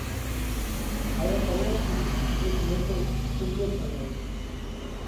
هائيون پئِيهون ٿِي هيڪ موٽو قُٻو ٺوَرايو پرو۔